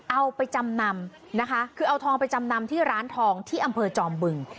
เอาไปจำนำนะคะคือเอาทองไปจำนำที่ร้านทองที่อำเภอจอมบึง